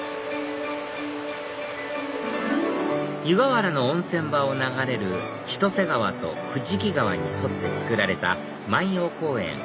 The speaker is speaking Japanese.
湯河原の温泉場を流れる千歳川と藤木川に沿って造られた万葉公園